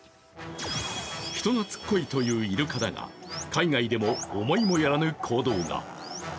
人懐っこいというイルカだが、海外でも思いも寄らぬ行動が。